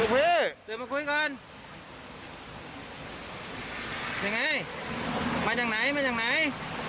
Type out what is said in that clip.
ไปเที่ยวประมาณนั้นไหน